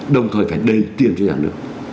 đồng thời phải đề tiên cho nhà nước